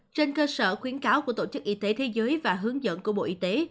trên cơ sở khuyến cáo của tổ chức y tế thế giới và hướng dẫn của bộ y tế